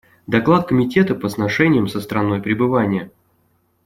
Доклад Комитета по сношениям со страной пребывания.